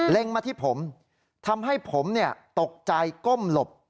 มาที่ผมทำให้ผมตกใจก้มหลบ